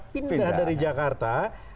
pindah dari jakarta